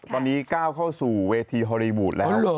ตอนนี้ก้าวเข้าสู่เวทีฮอลลีวูดแล้ว